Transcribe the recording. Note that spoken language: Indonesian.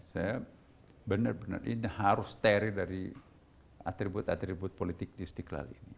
saya benar benar ini harus steril dari atribut atribut politik di istiqlal ini